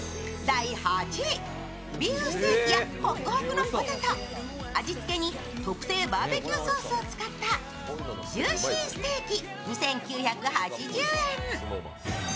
ビーフステーキやホクホクのポテト、味付けに特製バーベキューソースを使ったジューシーステーキ、２９８０円。